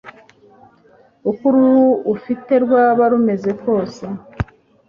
uko uruhu ufite rwaba rumeze kose